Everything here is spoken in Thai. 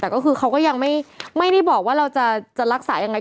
แต่ก็คือเขาก็ยังไม่ได้บอกว่าเราจะรักษายังไง